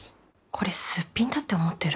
「これすっぴんだって思ってる？」。